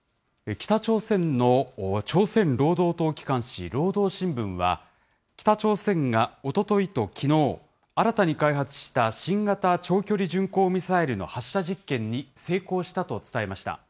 北朝鮮の朝鮮労働党機関紙、労働新聞は、北朝鮮がおとといときのう、新たに開発した新型長距離巡航ミサイルの発射実験に成功したと伝えました。